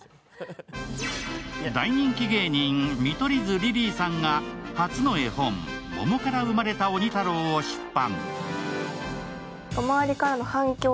大人気芸人、見取り図・リリーさんが初めての絵本「ももからうまれたおにたろう」を出版。